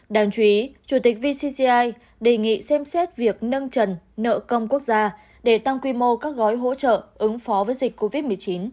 đáng chú ý chủ tịch vcci đề nghị xem xét việc nâng trần nợ công quốc gia để tăng quy mô các gói hỗ trợ ứng phó với dịch covid một mươi chín